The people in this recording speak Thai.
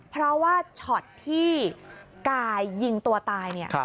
เพราะว่าช็อตที่กายยิงตัวตายเนี่ย